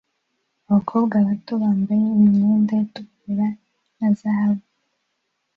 Abakobwa bato bambaye imyenda itukura na zahabu